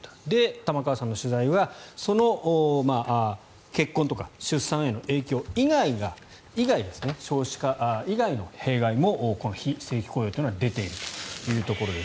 玉川さんの取材は結婚とか出産への影響以外が少子化以外の弊害も非正規雇用というのは出ているというところです。